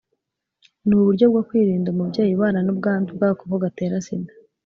N uburyo bwo kurinda umubyeyi ubana n ubwandu bw agakoko gatera sida